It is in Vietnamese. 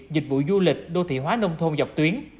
dịch vụ du lịch đô thị hóa nông thôn dọc tuyến